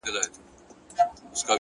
حقیقت ذهن ته ازادي ورکوي.